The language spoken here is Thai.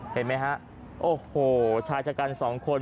หัวหลักหัวหลัก